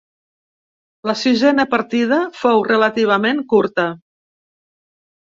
La sisena partida fou relativament curta.